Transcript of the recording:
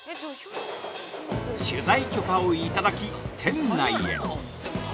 ◆取材許可をいただき、店内へ。